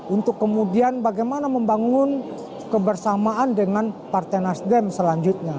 untuk kemudian bagaimana membangun kebersamaan dengan partai nasdem selanjutnya